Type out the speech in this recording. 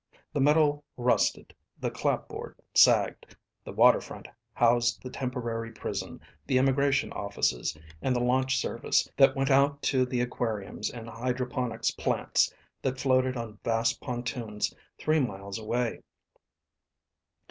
The metal rusted; the clapboard sagged. The waterfront housed the temporary prison, the immigration offices, and the launch service that went out to the aquariums and hydroponics plants that floated on vast pontoons three miles away.